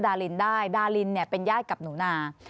ดารินได้ดารินเนี่ยเป็นญาติกับหนูนา